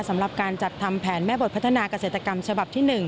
สำหรับการจัดทำแผนแม่บทพัฒนาเกษตรกรรมฉบับที่๑